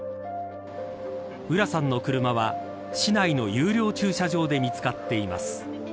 浦さんの車は市内の有料駐車場で見つかっています。